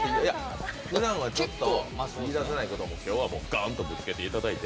ふだんはちょっと言いだせないことも今日はもうガンとぶつけていただいて。